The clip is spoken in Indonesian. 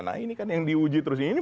nah ini kan yang diuji terus ini